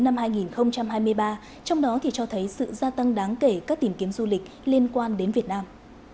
năm hai nghìn hai mươi ba trong đó thì cho thấy sự gia tăng đáng kể các tìm kiếm du lịch liên quan đến việt nam